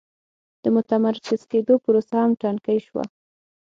د متمرکز کېدو پروسه هم ټکنۍ شوه.